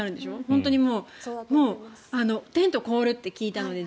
本当にテントが凍るって聞いたので。